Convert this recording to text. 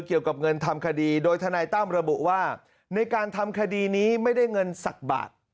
เกี่ยวกับเงินทำคดีโดยทนายตั้มระบุว่าในการทำคดีนี้ไม่ได้เงินสักบาท